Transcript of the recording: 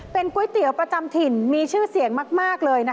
เป็นก๋วยเตี๋ยวประจำถิ่นมีชื่อเสียงมากเลยนะคะ